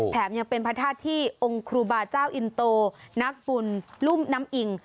แถมยังเป็นพระธาตุที่องค์ครูบาเจ้าอินโตนักบุญลุ่มน้ำอิง